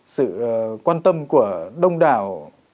sự quan tâm của đông đảo